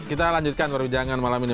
kita lanjutkan perbincangan malam ini